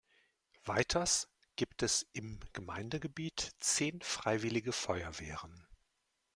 Weiters gibt es im Gemeindegebiet zehn Freiwillige Feuerwehren.